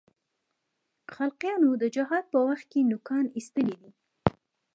خلقیانو د جهاد په وخت کې نوکان اېستلي دي.